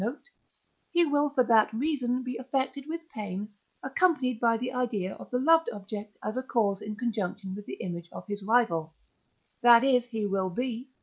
note) he will for that reason be affected with pain, accompanied by the idea of the loved object as a cause in conjunction with the image of his rival; that is, he will be (III.